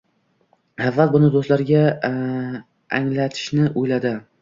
Avval buni do'stlariga anglatishni o'yladi.